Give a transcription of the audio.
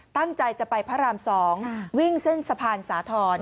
ตั้งใจจะไปพระราม๒วิ่งเส้นสะพานสาธรณ์